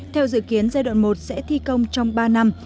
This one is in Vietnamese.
theo dự kiến giai đoạn một sẽ thi công trong ba năm